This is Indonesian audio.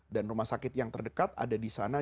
dan rumah sakit yang terdekat ada disana